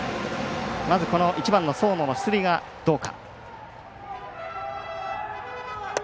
この１番の僧野の出塁がどうか。